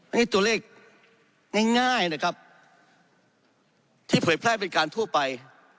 อันนี้ตัวเลขง่ายนะครับที่เผยแพร่เป็นการทั่วไป